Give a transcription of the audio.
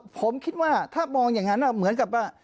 ผมคิดว่าถ้ามองอย่างนั้นเหมือนกับว่า